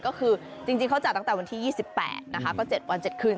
ก็คือจริงเขาจัดตั้งแต่วันที่๒๘นะคะก็๗วัน๗คืน